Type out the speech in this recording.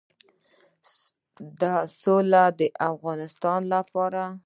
د سوکاله افغانستان لپاره.